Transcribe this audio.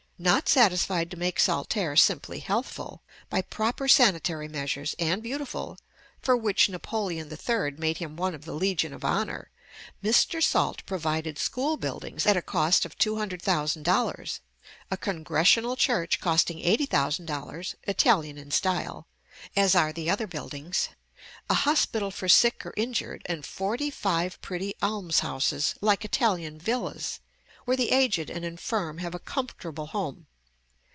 Not satisfied to make Saltaire simply healthful, by proper sanitary measures, and beautiful, for which Napoleon III. made him one of the Legion of Honor, Mr. Salt provided school buildings at a cost of $200,000, a Congregational church, costing $80,000, Italian in style, as are the other buildings, a hospital for sick or injured, and forty five pretty almshouses, like Italian villas, where the aged and infirm have a comfortable home.